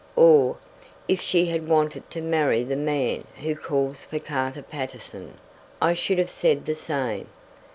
" or if she had wanted to marry the man who calls for Carter Paterson, I should have said the same."